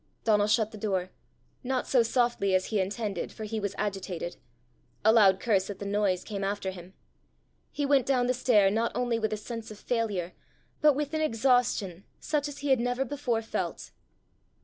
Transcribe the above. Donal shut the door not so softly as he intended, for he was agitated; a loud curse at the noise came after him. He went down the stair not only with a sense of failure, but with an exhaustion such as he had never before felt.